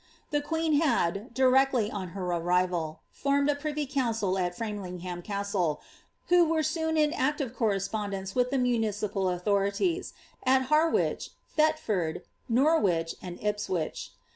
The queen had, directly on her arrival, formed a privy council at Framlingham Cattle, who were soon in active correspondence with the municipal authorities at Harwich, Thetford, Norwich, and Ipswich.